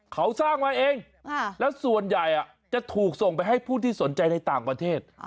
เขาสร้างมาเองแล้วส่วนใหญ่จะถูกส่งไปให้ผู้ที่สนใจในต่างประเทศ